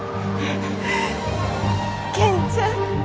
健ちゃん。